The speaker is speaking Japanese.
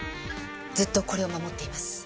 ずっとこれを守っています。